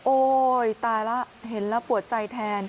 โอ๊ยตายแล้วเห็นแล้วปวดใจแทน